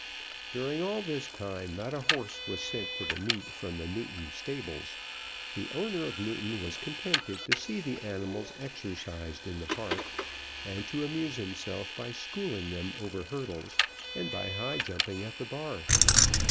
During all this time not a horse was sent to the meet from the Newton stables. The owner of Newton was contented to see the animals exercised in the park, and to amuse himself by schooling them over hurdles, and by high jumping at the bar.